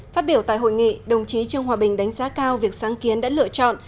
phát biểu tại hội nghị đồng chí trương hòa bình đánh giá cao việc sáng kiến đã lựa chọn